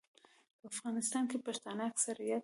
په افغانستان کې پښتانه اکثریت دي.